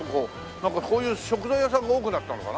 なんかこういう食材屋さんが多くなったのかな？